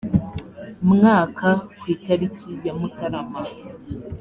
mwaka ku itariki ya mutarama